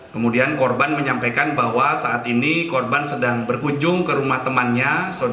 kemudian korban menyampaikan bahwa saat ini korban sedang berkunjung ke rumah temannya